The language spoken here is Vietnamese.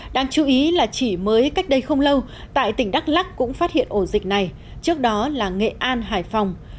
đáng chú ý là chỉ mới cách đây không lâu tại tỉnh đắk lắc cũng phát hiện ổ dịch này trước đó là nghệ an hải phòng